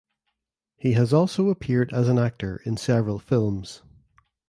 He has also appeared as an actor in several films.